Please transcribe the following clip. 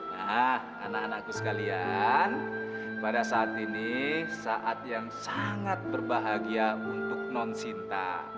nah anak anakku sekalian pada saat ini saat yang sangat berbahagia untuk non sinta